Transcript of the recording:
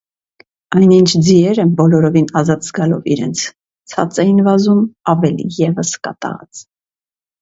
Այնինչ ձիերը, բոլորովին ազատ զգալով իրենց, ցած էին վազում ավելի ևս կատաղած: